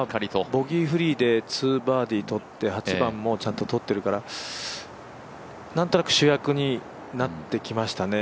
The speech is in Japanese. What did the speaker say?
ボギーフリーで２バーディーとって、８番もちゃんととってるからなんとなく主役になってきましたね。